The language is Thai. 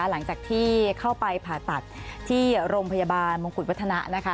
หลังจากที่เข้าไปผ่าตัดที่โรงพยาบาลมงกุฎวัฒนะ